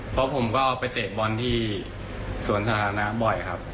เพราะผมก็ไปเตะบอลที่สวนสาธารณะบ่อยครับ